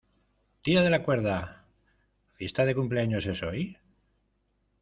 ¡ Tira de la cuerda! ¿ la fiesta de cumpleaños es hoy?